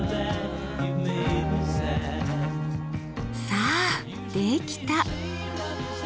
さあできた！